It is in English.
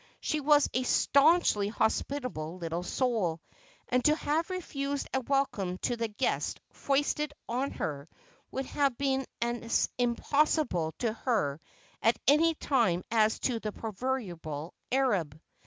She was a stanchly hospitable little soul, and to have refused a welcome to the guests foisted on her would have been as impossible to her at any time as to the proverbial Arab.